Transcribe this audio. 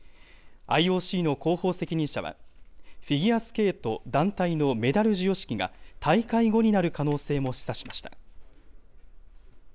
ＩＯＣの広報責任者は、フィギュアスケート団体のメダル授与式が大会後になる可能性も示唆しました。